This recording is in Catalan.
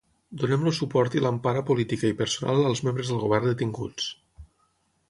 Donem el suport i l’empara política i personal als membres del govern detinguts.